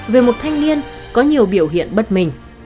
về một thanh niên có nhiều biểu hiện bất mình